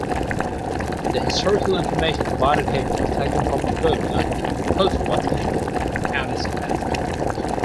The historical information provided here was taken from a book on Pottawattamie County's past.